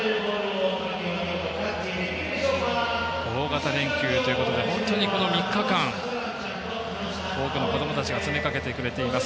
大型連休ということで本当に３日間多くのこどもたちが詰めかけてくれています。